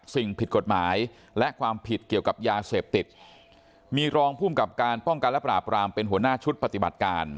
สิ่งผิดกฎหมายและความผิดเกี่ยวกับยาเสพติดมีรองภูมิกับการป้องกันและปราบรามเป็นหัวหน้าชุดปฏิบัติการ